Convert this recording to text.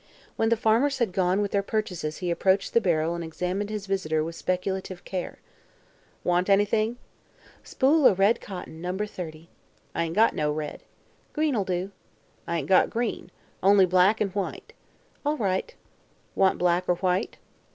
When the farmers had gone with their purchases he approached the barrel and examined his visitor with speculative care. "Want anything?" "Spool o' red cotton, number thirty." "Ain't got no red." "Green'll do." "Ain't got green. Only black an' white." "All right." "Want black or white?"